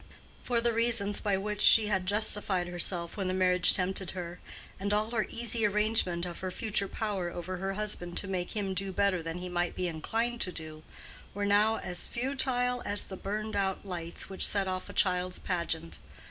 For the reasons by which she had justified herself when the marriage tempted her, and all her easy arrangement of her future power over her husband to make him do better than he might be inclined to do, were now as futile as the burned out lights which set off a child's pageant.